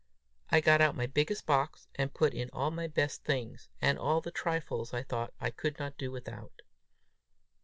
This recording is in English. I got out my biggest box, and put in all my best things, and all the trifles I thought I could not do without.